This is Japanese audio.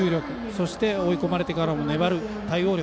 そして追い込まれてからも粘る対応力